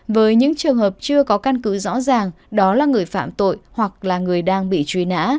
với những trường hợp chưa có căn cứ rõ ràng đó là người phạm tội hoặc là người đang bị truy nã